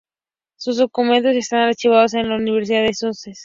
Sus documentos están archivados en la Universidad de Sussex.